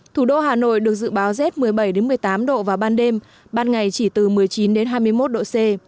thủ đô hà nội được dự báo z một mươi bảy một mươi tám độ vào ban đêm ban ngày chỉ từ một mươi chín hai mươi một độ c